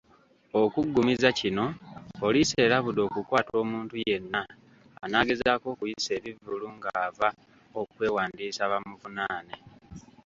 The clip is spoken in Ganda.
Okuggumiza kino, Poliisi erabudde okukwata omuntu yenna anaagezaako okuyisa ebivvulu ng'ava okwewandiisa bamuvunaane.